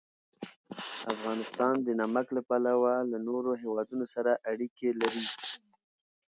افغانستان د نمک له پلوه له نورو هېوادونو سره اړیکې لري.